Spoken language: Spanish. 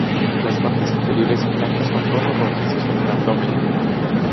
Las partes inferiores son blancas con tonos rojizos en el abdomen.